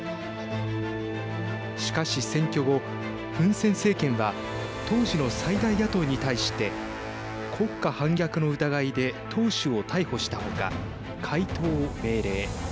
しかし、選挙後フン・セン政権は当時の最大野党に対して国家反逆の疑いで党首を逮捕したほか解党を命令。